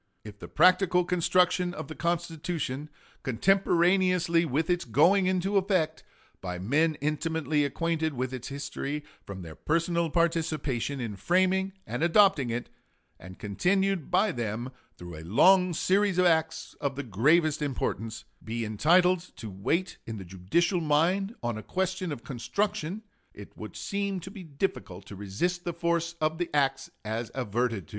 If the practical construction of the Constitution, contemporaneously with its going into effect, by men intimately acquainted with its history from their personal participation in framing and adopting it, and continued by them through a long series of acts of the gravest importance, be entitled to weight in the judicial mind on a question of construction, it would seem to be difficult to resist the force of the acts above adverted to."